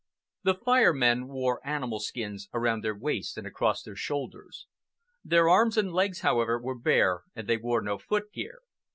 The Fire Men wore animal skins around their waists and across their shoulders. Their arms and legs, however, were bare, and they wore no footgear.